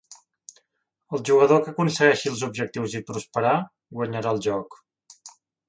El jugador que aconsegueixi els objectius i prosperar, guanyarà el joc.